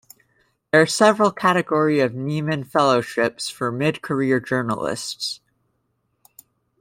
There are several categories of Nieman Fellowships for mid-career journalists.